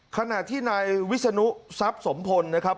ขณะที่นายวิศนุทรัพย์สมพลนะครับ